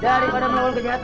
daripada melawan kejahatan